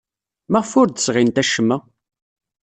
Maɣef ur d-sɣint acemma?